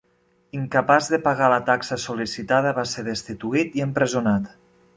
Incapaç de pagar la taxa sol·licitada, va ser destituït i empresonat.